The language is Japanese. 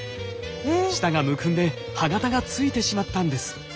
舌がむくんで歯形がついてしまったんです。